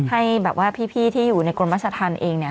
ให้แบบว่าพี่ที่อยู่ในกรมราชธรรมเองเนี่ย